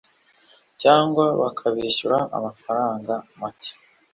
cyangwa bakabishyura amafaranga make